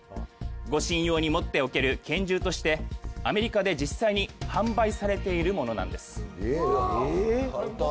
護身用に持っておける拳銃としてアメリカで実際に販売されているものなんです。